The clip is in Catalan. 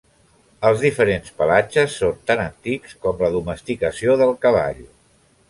Els diferents pelatges són tan antics com la domesticació del cavall.